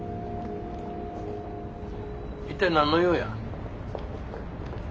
一体何の用や？